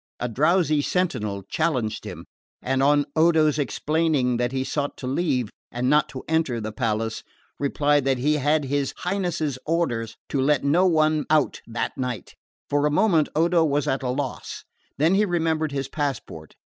A drowsy sentinel challenged him; and on Odo's explaining that he sought to leave, and not to enter, the palace, replied that he had his Highness's orders to let no one out that night. For a moment Odo was at a loss; then he remembered his passport.